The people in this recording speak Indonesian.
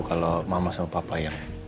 kalau mama sama papa yang